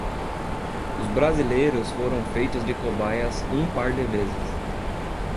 Os brasileiros foram feitos de cobaias um par de vezes